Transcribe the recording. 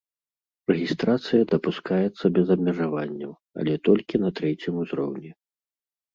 Рэгістрацыя дапускаецца без абмежаванняў, але толькі на трэцім узроўні.